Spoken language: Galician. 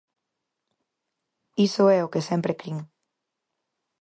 Iso é o que sempre crin.